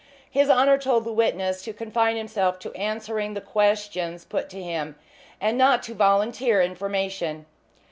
His Honour told the witness to confine himself to answering the questions put to him, and not to volunteer information.